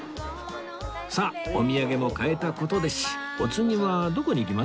さあお土産も買えた事ですしお次はどこに行きます？